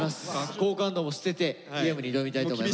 好感度も捨ててゲームに挑みたいと思います。